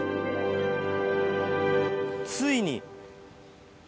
ついに。